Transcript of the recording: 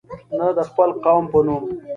نه د خپل قوم په نوم.